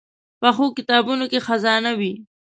پخو کتابونو کې خزانه وي